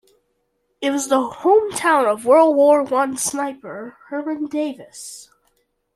It was the hometown of World War One sniper Herman Davis.